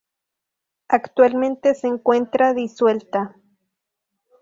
Actualmente se encuentra disuelta.